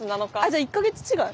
じゃあ１か月違い？